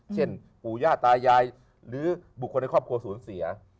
ปู่ย่าตายายหรือบุคคลในครอบครัวสูญเสีย